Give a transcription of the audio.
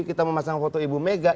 kita memasang foto ibu mega